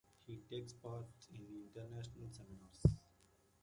He takes part in international seminars.